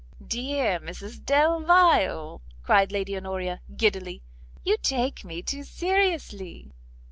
"Dear Mrs Delvile," cried Lady Honoria, giddily, "you take me too seriously."